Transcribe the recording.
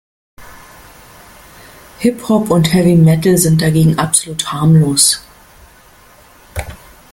Hip-Hop und Heavy Metal sind dagegen absolut harmlos.